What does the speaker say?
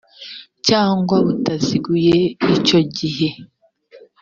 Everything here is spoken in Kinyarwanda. cyangwa butaziguye icyo gihe